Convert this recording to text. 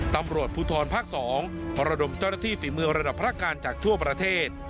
ตำรวจภูทรภาค๒พรดมเจ้าหน้าที่ฝีมือระดับพระการจากทั่วประเทศ